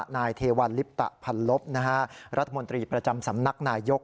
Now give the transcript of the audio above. นายเทวันลิปตะพันลบรัฐมนตรีประจำสำนักนายยก